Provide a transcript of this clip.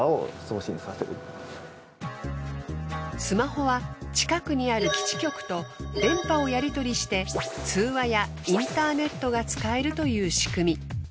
スマホは近くにある基地局と電波をやり取りして通話やインターネットが使えるという仕組み。